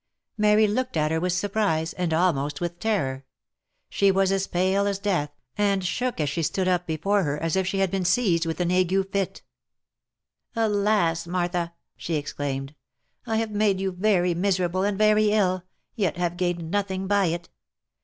Mary looked at her with surprise, and almost with terror ; she was as pale as death, and shook, as she stood up before her, as if she had been seized with an ague fit. " Alas, Martha !" she exclaimed, " I have made you very miserable, and very ill, yet have gained nothing by it